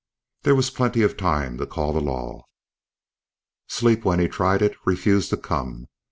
There was plenty of time to call the law. Sleep, when he tried it, refused to come.